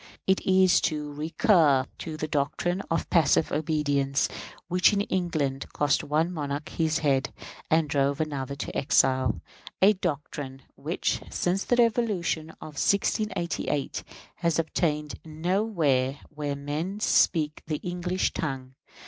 It is to recur to that doctrine of passive obedience which, in England, cost one monarch his head and drove another into exile; a doctrine which, since the Revolution of 1688, has obtained nowhere where men speak the English tongue.